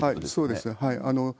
そうですね。